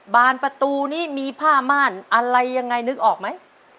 บานประตูนี้มีผ้าม่านอะไรยังไงนึกออกไหม